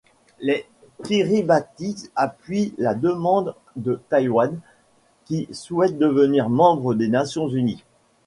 Les Kiribati appuient la demande de Taïwan qui souhaite devenir membre des Nations unies.